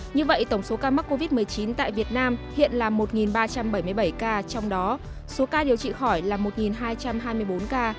như vậy tổng số ca mắc covid một mươi chín tại việt nam hiện là một ba trăm bảy mươi bảy ca trong đó số ca điều trị khỏi là một hai trăm hai mươi bốn ca